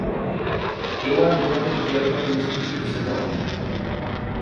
Eu ando a ver que alguén me explique ese dogma.